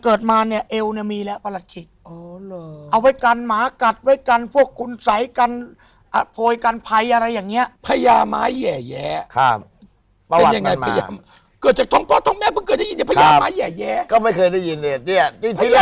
เอาไว้กันหมากัดไว้กันพวกคุณสัยกันอพยกันไพยอะไรอย่างเนี้ยพญาไม้แยะแยะครับเป็นไงมันมาเจครับก็ไม่เคยได้ยินเลยนี่ฮะ